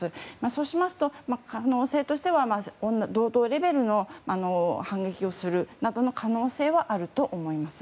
そうしますと、可能性としては同等レベルの反撃をするなどの可能性はあると思います。